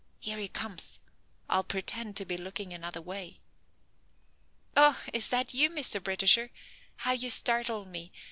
Here he comes. I'll pretend to be looking another way. "Ah, is that you, Mr. Britisher? How you startled me.